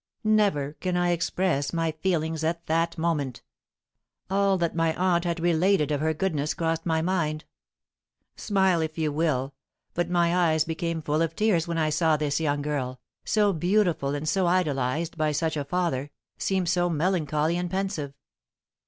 Never can I express my feelings at that moment. All that my aunt had related of her goodness crossed my mind. Smile if you will, but my eyes became full of tears when I saw this young girl, so beautiful and so idolised by such a father, seem so melancholy and pensive.